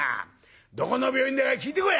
どこの病院だか聞いてこい！」。